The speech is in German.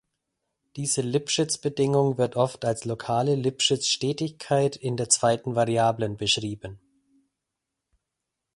Diese Lipschitz-Bedingung wird oft als „lokale Lipschitz-Stetigkeit in der zweiten Variablen“ beschrieben.